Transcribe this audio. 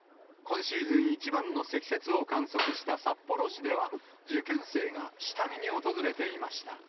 今シーズン一番の積雪を観測した札幌市では受験生が下見に訪れていました。